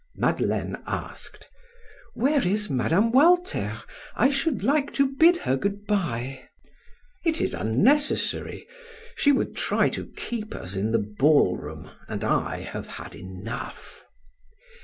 Madeleine asked: "Where is Mme. Walter; I should like to bid her good bye." "It is unnecessary. She would try to keep us in the ballroom, and I have had enough."